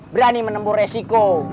berani menembur resiko